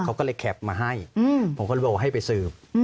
เขาก็เลยแคปมาให้ผมก็เลยบอกว่าให้ไปสืบ